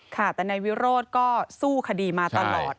ค่ะแต่นายวิโรธก็สู้คดีมาตลอด